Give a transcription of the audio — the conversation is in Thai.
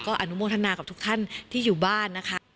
อนุโมทนากับทุกท่านที่อยู่บ้านนะคะ